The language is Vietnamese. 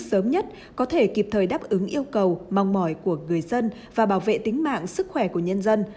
sớm nhất có thể kịp thời đáp ứng yêu cầu mong mỏi của người dân và bảo vệ tính mạng sức khỏe của nhân dân